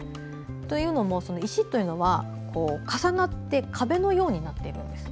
というのも石というのは重なって壁のようになっているんです。